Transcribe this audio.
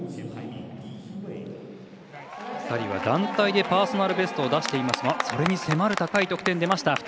２人は団体でパーソナルベストを出していますがそれに迫る高い得点出ました。